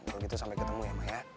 kalau gitu sampai ketemu ya mbak ya